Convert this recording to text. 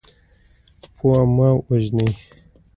پوه مه وژنئ.